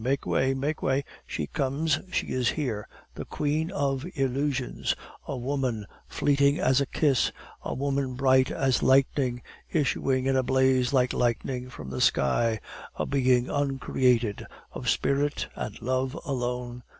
Make way! make way! She comes, she is here, the queen of illusions, a woman fleeting as a kiss, a woman bright as lightning, issuing in a blaze like lightning from the sky, a being uncreated, of spirit and love alone.